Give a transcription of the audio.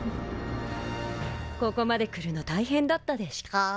ここまで来るの大変だったでシュコー？